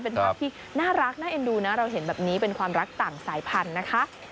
เป็นภาพที่น่ารักน่าเอ็นดูนะเราเห็นแบบนี้เป็นความรักต่างสายพันธุ์นะคะ